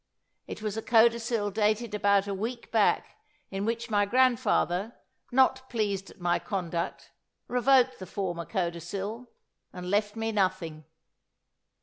It was a codicil dated about a week back, in which my grandfather, not pleased at my conduct, revoked the former codicil, and left me nothing.